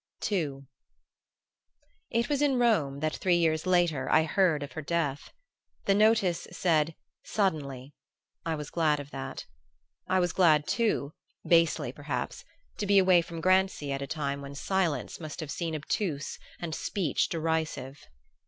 II It was in Rome that, three years later, I heard of her death. The notice said "suddenly"; I was glad of that. I was glad too basely perhaps to be away from Grancy at a time when silence must have seemed obtuse and speech derisive.